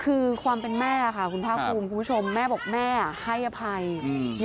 คือความเป็นแม่ค่ะคุณภาคภูมิคุณผู้ชมแม่บอกแม่ให้อภัย